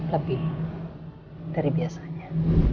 lebih dari biasanya